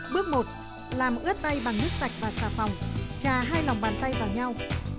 bước một làm ướt tay bằng nước sạch và xà phòng trà hai lòng bàn tay vào nhau